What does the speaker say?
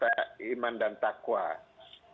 jadi kita harus memiliki keas depan